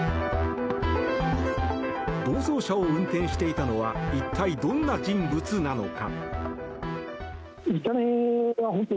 暴走車を運転していたのは一体、どんな人物なのか。